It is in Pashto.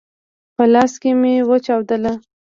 په لاس کي مي وچاودله !